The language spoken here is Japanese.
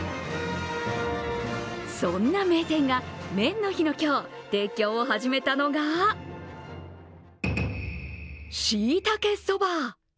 そんな名店が麺の日の今日、提供を始めたのがしいたけそば。